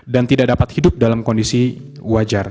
dan tidak dapat hidup dalam kondisi wajar